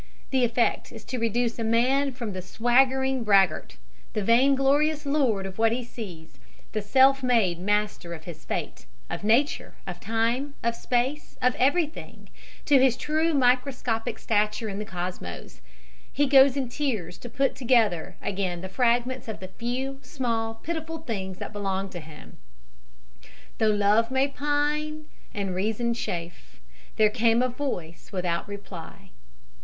The effect is to reduce a man from the swaggering braggart the vainglorious lord of what he sees the self made master of fate, of nature, of time, of space, of everything to his true microscopic stature in the cosmos. He goes in tears to put together again the fragments of the few, small, pitiful things that belonged to him. "Though Love may pine, and Reason chafe, There came a Voice without reply."